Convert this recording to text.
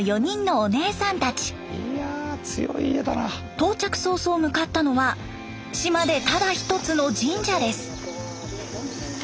到着早々向かったのは島でただ一つの神社です。